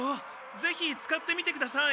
ぜひ使ってみてください。